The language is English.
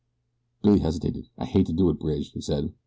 Billy hesitated. "I hate to do it, Bridge," he said.